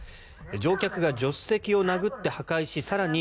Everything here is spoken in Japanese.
乗客が助手席を殴って破壊し更に